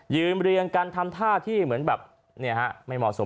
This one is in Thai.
ยืนบริเวณการทำท่าที่เหมือนแบบไม่เหมาะสม